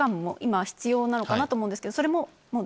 なのかなと思うんですけど。